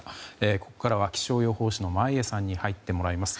ここからは気象予報士の眞家さんに入ってもらいます。